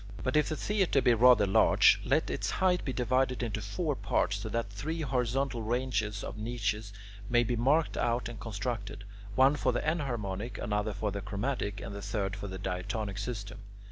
But if the theatre be rather large, let its height be divided into four parts, so that three horizontal ranges of niches may be marked out and constructed: one for the enharmonic, another for the chromatic, and the third for the diatonic system.